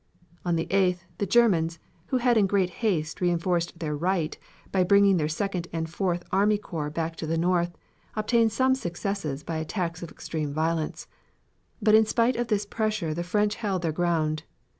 On the 8th, the Germans, who had in great haste reinforced their right by bringing their Second and Fourth army corps back to the north, obtained some successes by attacks of extreme violence. But in spite of this pressure the French held their ground.